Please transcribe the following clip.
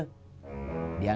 dia gak bakal ikut lebaran